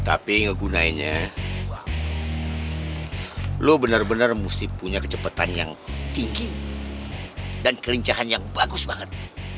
tapi ngegunainya lo bener bener mesti punya kecepetan yang tinggi dan kelincahan yang bagus banget